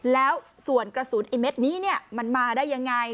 แล้วส่วนกระสุนไอ้เม็ดนี้มันมาได้ยังไง